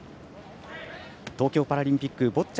東京パラリンピックボッチャ